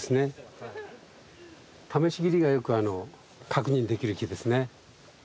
試し切りがよく確認できる木ですね。